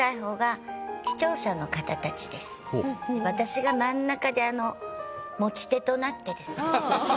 私が真ん中で持ち手となってですね